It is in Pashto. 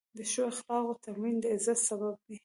د ښو اخلاقو تمرین د عزت سبب دی.